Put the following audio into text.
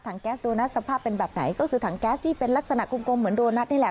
แก๊สโดนัทสภาพเป็นแบบไหนก็คือถังแก๊สที่เป็นลักษณะกลมเหมือนโดนัทนี่แหละ